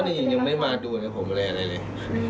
เพราะนี่ยังไม่มาดูกับผมอะไรแหละเลย